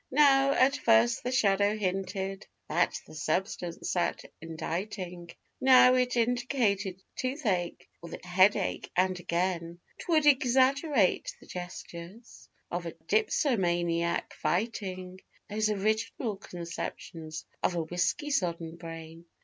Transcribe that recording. Now, at first the shadow hinted that the substance sat inditing; Now it indicated toothache, or the headache; and again, 'Twould exaggerate the gestures of a dipsomaniac fighting Those original conceptions of a whisky sodden brain.